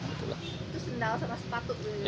itu sandal sama sepatu dulu ya